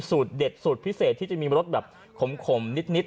สูตรเด็ดสูตรพิเศษที่จะมีรสแบบขมนิด